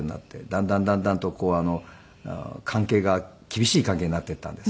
だんだんだんだんとこう関係が厳しい関係になっていったんです。